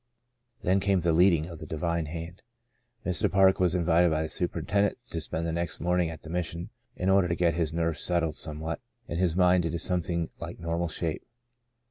'^ Then came the leading of the Divine Hand. Mr. Park was invited by the superintendent to spend the next morning at the Mission in order to get his nerves settled somewhat and CABLTOX PARK. Saved to Serve 93 his mind into something hke normal shape.